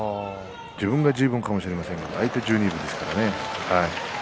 自分が十分かもしれませんけども相手十二分ですからね。